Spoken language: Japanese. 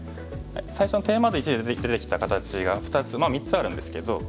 最初のテーマ図１で出てきた形が２つ３つあるんですけど。